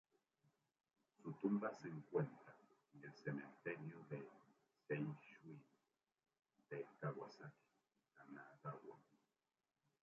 Su tumba se encuentra en el cementerio Seishun-en de Kawasaki, Kanagawa.